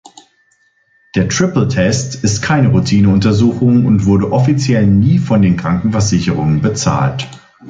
Der Triple-Test ist keine Routineuntersuchung und wurde offiziell nie von den Krankenversicherungen bezahlt.